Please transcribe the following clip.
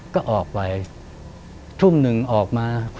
ก็ออกไปทุ่มหนึ่งออกมา